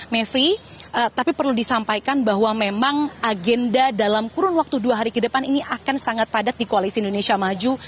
mevri tapi perlu disampaikan bahwa memang agenda dalam kurun waktu dua hari ke depan ini akan sangat padat di koalisi indonesia maju